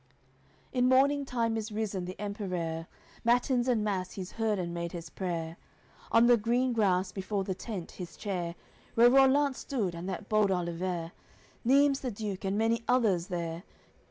LIV In morning time is risen the Emperere, Mattins and Mass he's heard, and made his prayer; On the green grass before the tent his chair, Where Rollant stood and that bold Oliver, Neimes the Duke, and many others there.